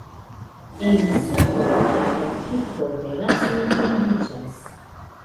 En supro de la portiko teraso etendiĝas.